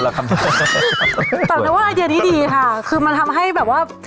แต่ว่าอังกฤษนี้ดีค่ะคือมันทำให้แบบว่า